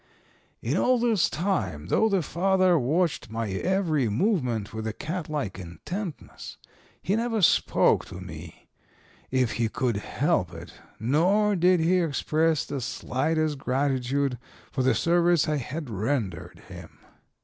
"In all this time, though the father watched my every movement with a catlike intentness, he never spoke to me if he could help it nor did he express the slightest gratitude for the service I had rendered him.